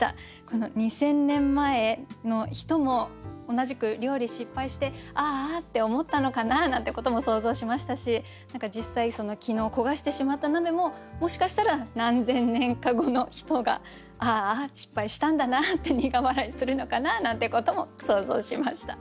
この２，０００年前の人も同じく料理失敗して「ああ」って思ったのかな？なんてことも想像しましたし何か実際昨日焦がしてしまった鍋ももしかしたら何千年か後の人が「ああ失敗したんだな」って苦笑いするのかななんてことも想像しました。